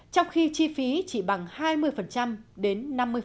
trong khi chi phí chỉ bằng hai mươi đến năm mươi